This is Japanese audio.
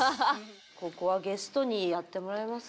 ここはゲストにやってもらいます？